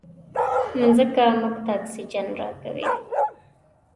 مځکه موږ ته اکسیجن راکوي.